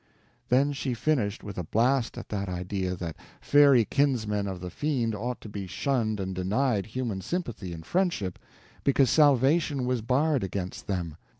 Then she finished with a blast at that idea that fairy kinsmen of the Fiend ought to be shunned and denied human sympathy and friendship because salvation was barred against them.